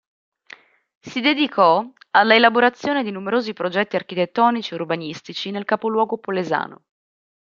Si dedicò alla elaborazione di numerosi progetti architettonici e urbanistici nel capoluogo polesano.